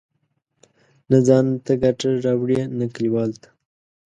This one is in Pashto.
نه ځان ته ګټه راوړي، نه کلیوالو ته.